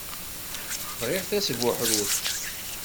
Bɣiɣ tasbuḥrut.